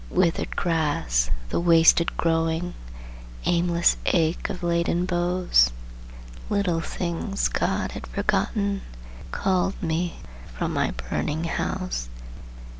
Withered grass, the wasted growing! Aimless ache of laden boughs!" Little things God had forgotten Called me, from my burning house.